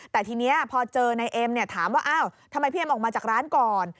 แต่ทีนี้พอเจอนายเอ็มถามว่าอ้าวทำไมพี่เอ็มออกมาจากร้านก่อน